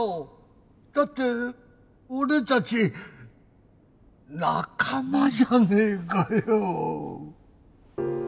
だって俺たち仲間じゃねえかよ。